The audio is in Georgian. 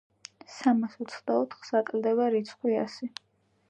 სამას ოცდაოთხს აკლდება რიცხვი ასი.